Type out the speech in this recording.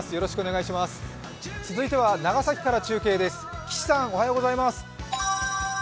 続いては長崎から中継です。